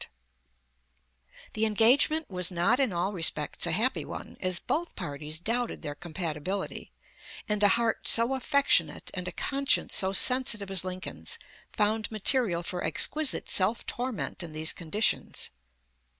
] The engagement was not in all respects a happy one, as both parties doubted their compatibility, and a heart so affectionate and a conscience so sensitive as Lincoln's found material for exquisite self torment in these conditions.